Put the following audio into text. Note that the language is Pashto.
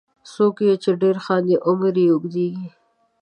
• څوک چې ډېر خاندي، عمر یې اوږدیږي.